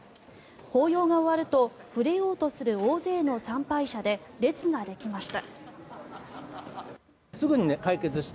法要が終わると触れようとする大勢の参拝者で列ができました。